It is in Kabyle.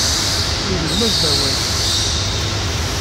Igzem-as-d awal.